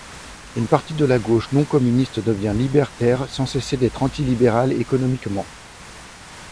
Une partie de la gauche non communiste devient libertaire sans cesser d'être antilibérale économiquement.